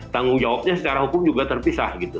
tanggung jawabnya secara hukum juga terpisah gitu